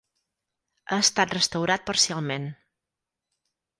Ha estat restaurat parcialment.